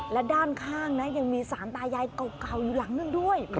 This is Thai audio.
และด้านข้างนะยังมีสารตายายเก่าอยู่หลังนึงด้วย